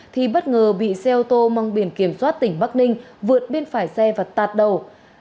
thì bất ngờ bị xe ô tô mong biển kiểm soát tỉnh bắc ninh vượt bên phải xe và tạt đầu